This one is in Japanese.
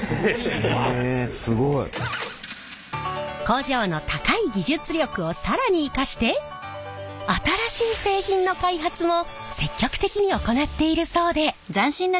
工場の高い技術力を更に生かして新しい製品の開発も積極的に行っているそうで。